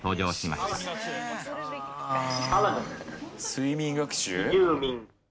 睡眠学習？